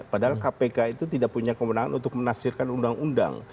padahal kpk itu tidak punya kemenangan untuk menafsirkan undang undang